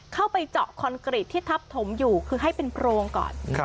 เข้าไปเจาะคอนกรีตที่ทับถมอยู่คือให้เป็นโพรงก่อน